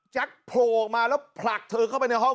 โผล่ออกมาแล้วผลักเธอเข้าไปในห้อง